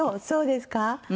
そうですか？